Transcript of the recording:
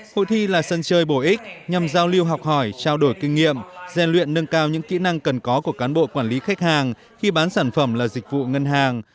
hội thi là sân chơi bổ ích nhằm giao lưu học hỏi trao đổi kinh nghiệm gian luyện nâng cao những kỹ năng cần có của cán bộ quản lý khách hàng khi bán sản phẩm là dịch vụ ngân hàng